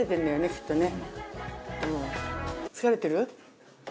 きっとね。